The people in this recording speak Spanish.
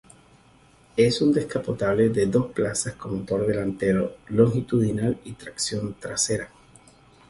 Es un descapotable de dos plazas con motor delantero longitudinal y tracción trasera.